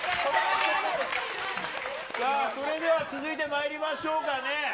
さあ、それでは続いてまいりましょうかね。